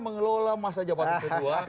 mengelola masa jabatan ke dua